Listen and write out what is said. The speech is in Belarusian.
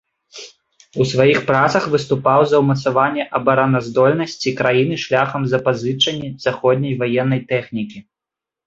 У сваіх працах выступаў за ўмацаванне абараназдольнасці краіны шляхам запазычанні заходняй ваеннай тэхнікі.